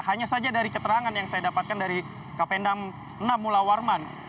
hanya saja dari keterangan yang saya dapatkan dari kapendam enam mula warman